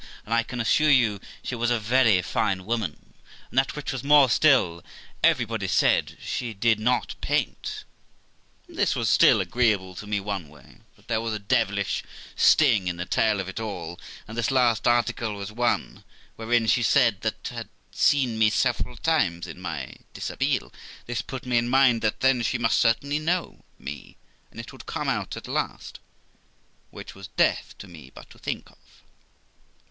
And I can assure you, she was a very fine woman; and that which was more still, everybody said she did not paint.' This was still agreeable to me one wayj but there was a devilish sting in the tail of it all, and this last article was one; wherein she said she had seen me several times in my dishabille. This put me in mind that then she must certainly know me, and it would come out at last; which was death to me but to think of.